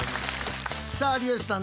さあ有吉さん